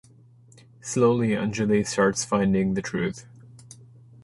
Slowly Anjali starts finding the truth.